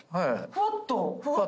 ふわっと。